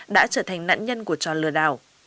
đã trở thành nạn nhân của trò lừa đảo